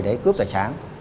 để cướp tài sản